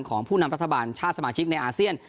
ของผู้นำรัฐบาลชาติสมาชิกในอาเซียน